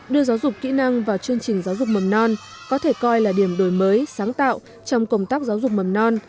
đưa giáo dục kỹ năng vào chương trình giáo dục mầm non có thể coi là điểm đổi mới sáng tạo trong công tác giáo dục mầm non